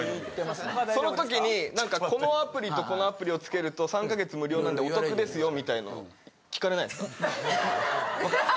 その時に何かこのアプリとこのアプリをつけると３か月無料なんでお得ですよみたいなのを聞かれないですか？